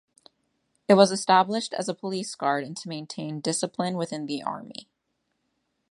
It was established as a police guard and to maintain discipline within the army.